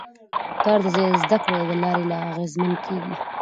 کار د زده کړې له لارې لا اغېزمن کېږي